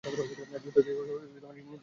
জুতা দিয়ে নিজেকে মারতে মন চাচ্ছে।